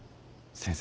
先生。